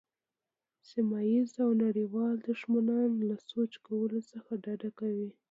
سیمه ییز او نړیوال دښمنان له سوچ کولو څخه ډډه کوي.